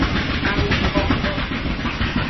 Awu koko.